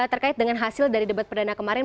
terkait dengan hasil dari debat perdana kemarin